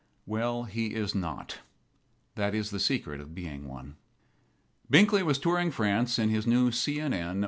Well, he is not. That is the secret of being one. Binkly was touring France in his new C. & N.